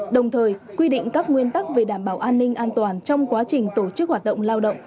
đồng thời quy định các nguyên tắc về đảm bảo an ninh an toàn trong quá trình tổ chức hoạt động lao động